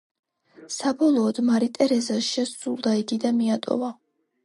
საბოლოოდ მარი ტერეზას შესძულდა იგი და მიატოვა.